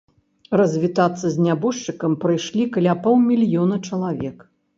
Развітацца з нябожчыкам прыйшлі каля паўмільёна чалавек.